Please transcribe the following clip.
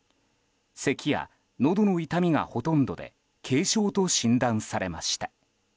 せきや、のどの痛みがほとんどで軽症と診断されました。